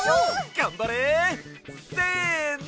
がんばれ！せの！